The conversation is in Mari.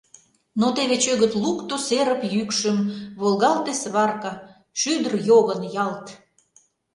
Но теве чӧгыт лукто серып йӱкшым, Волгалте сварка — шӱдыр йогын ялт.